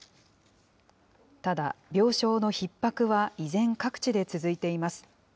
ただ、病床のひっ迫は依然、各地で続いています。